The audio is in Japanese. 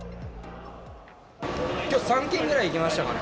きょう、３軒くらい行きましたかね。